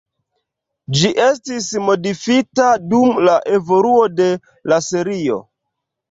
Ĝi estis modifita dum la evoluo de la serio.